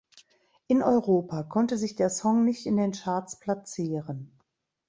In Europa konnte sich der Song nicht in den Charts platzieren.